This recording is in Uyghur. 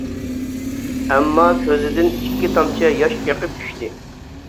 ئەمما كۆزىدىن ئىككى تامچە ياش ئېقىپ چۈشتى.